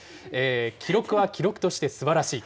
記録は記録としてすばらしい。